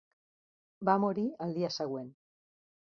Va morir al dia següent.